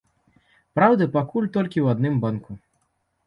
Праўда, пакуль толькі ў адным банку.